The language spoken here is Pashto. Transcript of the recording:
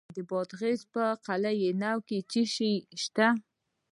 د بادغیس په قلعه نو کې څه شی شته؟